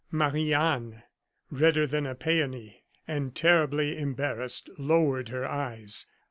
'" Marie Anne, redder than a peony, and terribly embarrassed, lowered her eyes.